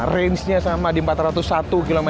range nya sama di empat ratus satu km